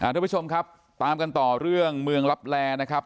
ทุกผู้ชมครับตามกันต่อเรื่องเมืองลับแลนะครับ